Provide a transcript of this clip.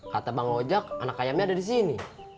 kata bang lojak anak kayamnya ada disini